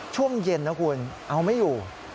ช่วงเย็นนะคุณเอาไม่อยู่